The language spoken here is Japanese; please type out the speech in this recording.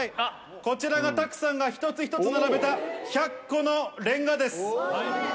こちらが拓さんが一つ一つ並べた１００個のレンガです。